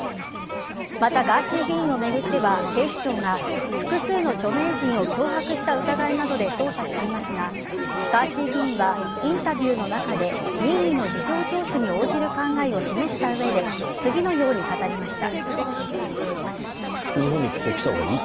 また、ガーシー議員を巡っては警視庁が複数の著名人を脅迫した疑いなどで捜査していますがガーシー議員はインタビューの中で任意の事情聴取に応じる考えを示した上で次のように語りました。